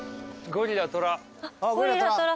ゴリラ・トラ。